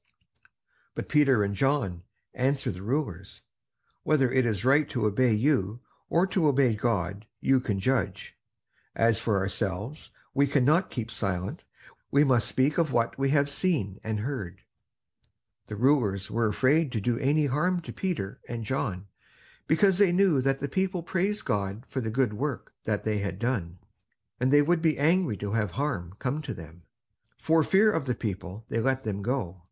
But Peter and John answered the rulers: "Whether it is right to obey you or to obey God, you can judge. As for ourselves we cannot keep silent; we must speak of what we have seen and heard." The rulers were afraid to do any harm to Peter and John, because they knew that the people praised God for the good work that they had done; and they would be angry to have harm come to them. For fear of the people, they let them go.